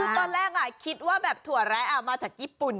ตอนแรกอะคิดว่าถั่วแร้อะมาจากญี่ปุ่นน่ะ